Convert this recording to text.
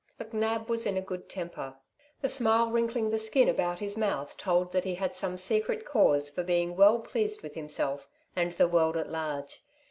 McNab was in a good temper. The smile wrinkling the skin about his mouth told that he had some secret cause for being well pleased with himself and the world at large.